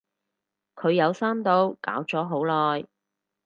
佢有刪到，搞咗好耐